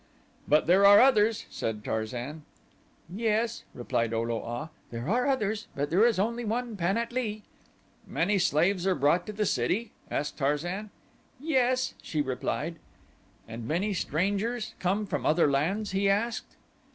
"But there are others," said Tarzan. "Yes," replied O lo a, "there are others, but there is only one Pan at lee." "Many slaves are brought to the city?" asked Tarzan. "Yes," she replied. "And many strangers come from other lands?" he asked.